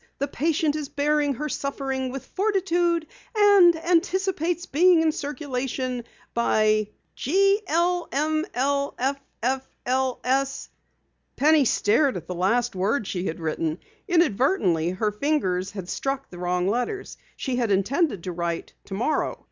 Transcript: THE PATIENT IS BEARING HER SUFFERING WITH FORTITUDE AND ANTICIPATES BEING IN CIRCULATION BY GLMLFFLS" Penny stared at the last word she had written. Inadvertently, her fingers had struck the wrong letters. She had intended to write "tomorrow."